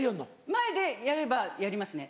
前でやればやりますね。